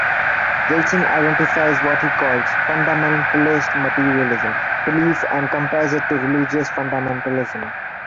Wilson identifies what he calls "Fundamentalist Materialism" belief and compares it to religious fundamentalism.